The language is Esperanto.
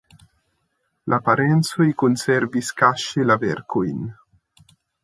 La parencoj konservis kaŝe la verkojn.